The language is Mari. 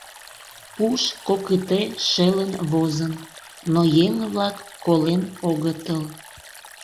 Пуш кокыте шелын возын, но еҥ-влак колен огытыл.